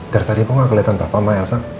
dari tadi kok gak keliatan papa mah elsa